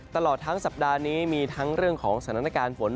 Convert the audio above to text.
ตลอดทั้งสัปดาห์นี้มีทั้งเรื่องของสถานการณ์ฝน